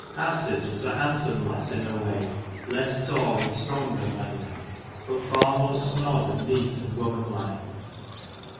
Asdis was a handsome lass in her way : less tall and strong than Raineach, but far more snod and neat and womanlike.